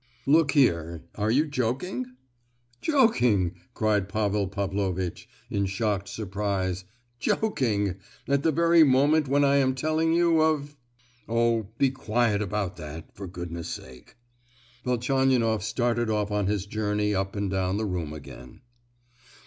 "Look here: are you joking?" "Joking!" cried Pavel Pavlovitch, in shocked surprise; "joking—at the very moment when I am telling you of——" "Oh—be quiet about that! for goodness sake." Velchaninoff started off on his journey up and down the room again.